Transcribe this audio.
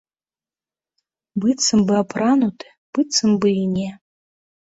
Быццам бы апрануты, быццам бы і не.